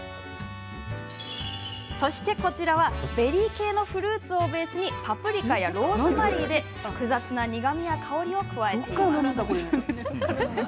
こちらはベリー系のフルーツをベースにパプリカやローズマリーで複雑な苦みや香りを加えています。